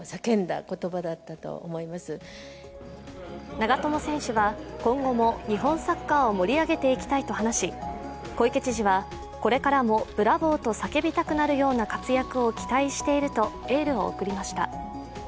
長友選手は、今後も日本サッカーを盛り上げていきたいと話し小池知事は、これからもブラボーと叫びたくなるような活躍を期待しているとエールを送りました。